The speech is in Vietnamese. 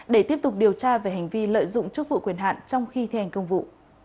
để tiếp tục điều tra về hành vi lợi dụng chức vụ quyền hạn trong khi thi hành công vụ